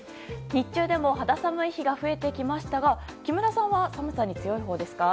日中でも肌寒い日が増えてきましたが木村さんは寒さに強いほうですか？